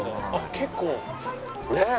結構ねえ。